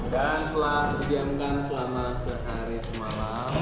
dan setelah dijamkan selama sehari semalam